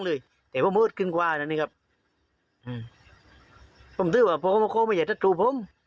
แซียงขึ้นขวานั้นครับ